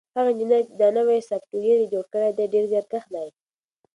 هغه انجنیر چې دا نوی سافټویر یې جوړ کړی ډېر زیارکښ دی.